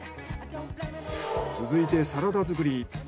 続いてサラダ作り。